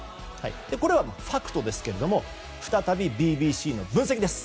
これはファクトですが再びＢＢＣの分析です。